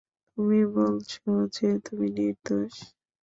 তুমি বলছ যে, তুমি নির্দোষ।